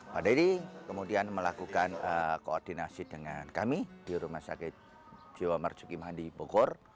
pak denny kemudian melakukan koordinasi dengan kami di rumah sakit jiwa marsuki mahdi bogor